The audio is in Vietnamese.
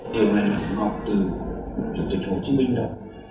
điều này không hợp từ chủ tịch hồ chí minh đâu